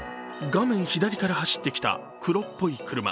画面左から走ってきた黒っぽい車。